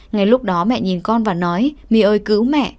ngay lúc đó mẹ nhìn con và nói mì ơi cứu mẹ